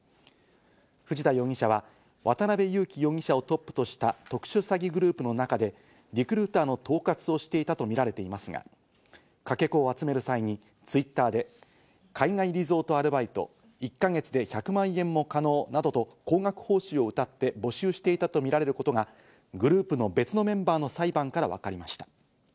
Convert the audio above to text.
藤田容疑者は渡辺優樹容疑者をトップとした特殊詐欺グループの中で、リクルーターの統括をしていたとみられていますが、かけ子を集める際にＴｗｉｔｔｅｒで海外リゾートアルバイト・１か月で１００万円も可能などと、高額報酬をうたって募集していたとみられることがグループの別のメンバーの裁判から分かりました。